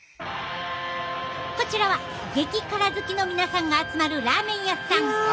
こちらは激辛好きの皆さんが集まるラーメン屋さん。